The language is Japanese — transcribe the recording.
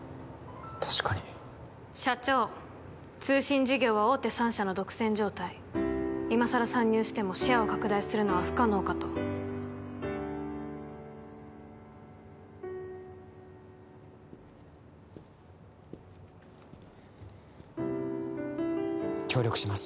確かに社長通信事業は大手３社の独占状態今さら参入してもシェアを拡大するのは不可能かと協力します